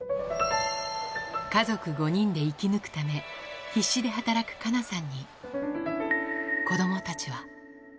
家族５人で生き抜くため、必死で働くカナさんに、子どもたちは。